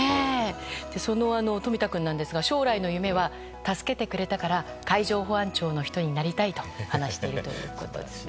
その冨田君なんですが将来の夢は、助けてくれたから海上保安庁の人になりたいと話しているということです。